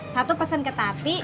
satu pesen ke tati